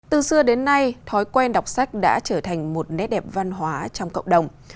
từ xưa đến nay thói quen đọc sách đã trở thành một nét đẹp văn hóa trong cộng đồng